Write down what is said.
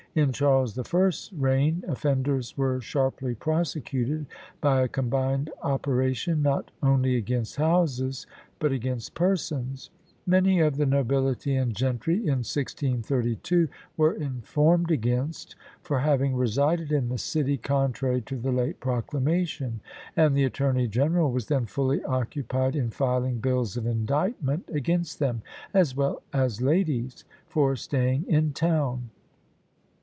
In Charles the First's reign, offenders were sharply prosecuted by a combined operation, not only against houses, but against persons. Many of the nobility and gentry, in 1632, were informed against for having resided in the city, contrary to the late proclamation. And the Attorney General was then fully occupied in filing bills of indictment against them, as well as ladies, for staying in town.